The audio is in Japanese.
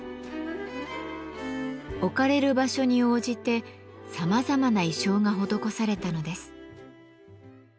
置かれる場所に応じてさまざまな意匠が施されたのです。